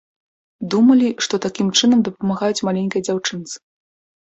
Думалі, што такім чынам дапамагаюць маленькай дзяўчынцы.